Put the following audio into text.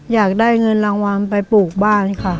อยากได้เงินรางวัลไปปลูกบ้านค่ะ